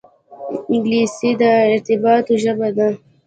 انګلیسي د ارتباطاتو ژبه ده